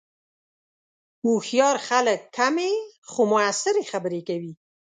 هوښیار خلک کمې، خو مؤثرې خبرې کوي